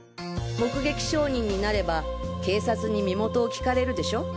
目撃証人になれば警察に身元を聞かれるでしょ。